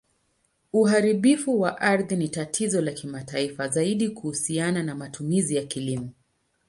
Uharibifu wa ardhi ni tatizo la kimataifa, zaidi kuhusiana na matumizi ya kilimo.